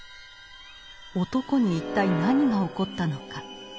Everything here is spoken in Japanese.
男に一体何が起こったのか。